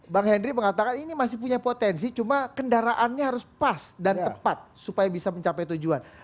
bang henry mengatakan ini masih punya potensi cuma kendaraannya harus pas dan tepat supaya bisa mencapai tujuan